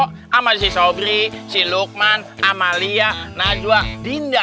sama si sobri si lukman amalia najwa dinda